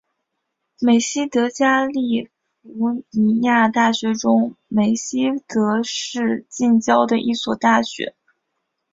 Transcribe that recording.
美熹德加利福尼亚大学中美熹德市近郊的一所大学。